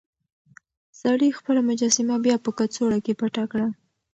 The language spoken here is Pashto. سړي خپله مجسمه بيا په کڅوړه کې پټه کړه.